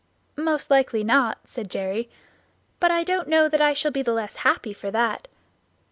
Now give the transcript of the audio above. "Most likely not," said Jerry; "but I don't know that I shall be the less happy for that.